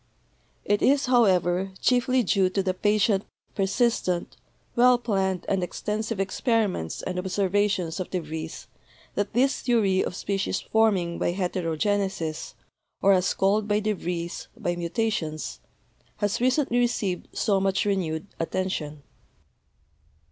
It is, however, chiefly due to the patient, persistent, well planned and ex tensive experiments and observations of de Vries that this theory of species forming by heterogenesis, or as called by de Vries, by mutations, has recently received so much renewed attention.